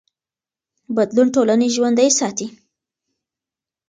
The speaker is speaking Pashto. بدلون ټولنې ژوندي ساتي